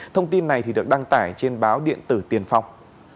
thông tin này được đăng tải trên báo điện tử tiền phong